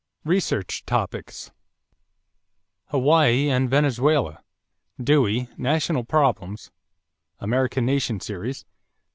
=Research Topics= =Hawaii and Venezuela.= Dewey, National Problems (American Nation Series), pp.